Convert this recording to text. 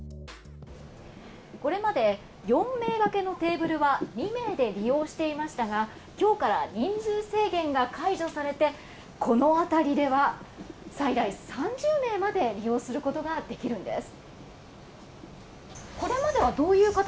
これまで４名がけのテーブルは２名で利用していましたが今日から人数制限が解除されてこの辺りでは最大３０名まで利用することができるんです。